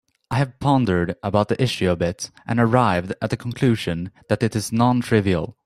I have pondered about the issue a bit and arrived at the conclusion that it is non-trivial.